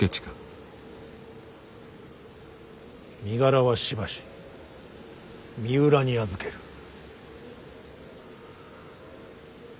身柄はしばし三浦に預ける。